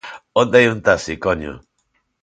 ¿Onde hai un taxi, coño?